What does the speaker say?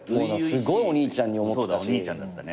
すごいお兄ちゃんに思ってたし。